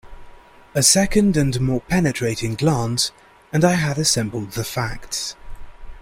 A second and more penetrating glance and I had assembled the facts.